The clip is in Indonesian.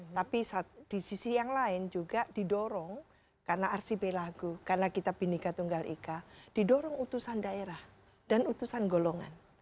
tapi di sisi yang lain juga didorong karena rcb lagu karena kita bhinneka tunggal ika didorong utusan daerah dan utusan golongan